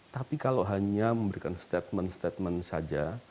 tapi kalau hanya memberikan statement statement saja